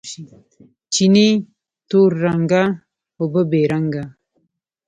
چینې تور رنګه، اوبه بې رنګه